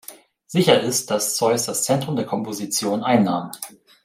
Sicher ist, dass Zeus das Zentrum der Komposition einnahm.